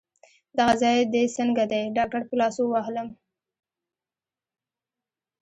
دغه ځای دي څنګه دی؟ ډاکټر په لاسو ووهلم.